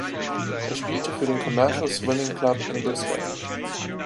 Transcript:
Er spielte für den "Commercial Swimming Club" in Brisbane.